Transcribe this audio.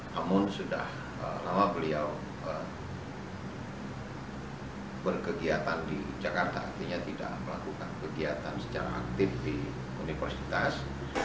namun sudah lama beliau berkegiatan di jakarta artinya tidak melakukan kegiatan secara aktif di universitas